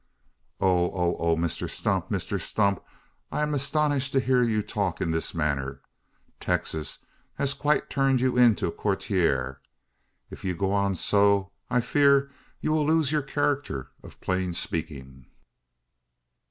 "Oh oh oh! Mr Stump Mr Stump! I'm astonished to hear you talk in this manner. Texas has quite turned you into a courtier. If you go on so, I fear you will lose your character for plain speaking!